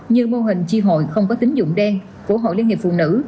như mô hình chi hội không có tính dụng đen của hội liên hiệp phụ nữ